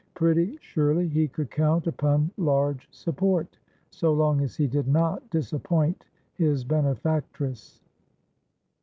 Pretty surely he could count upon large support, so long as he did not disappoint his benefactress.